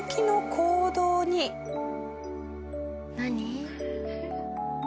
何？